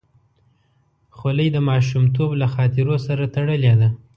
خولۍ د ماشومتوب له خاطرو سره تړلې ده.